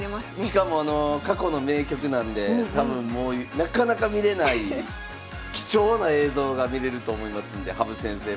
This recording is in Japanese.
しかも過去の名局なんで多分もうなかなか見れない貴重な映像が見れると思いますんで羽生先生